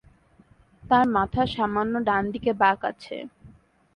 তার মাথা সামান্য ডান দিকে বাঁক আছে।